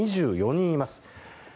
２４人います。